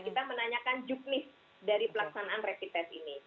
kita menanyakan juknis dari pelaksanaan rapid test ini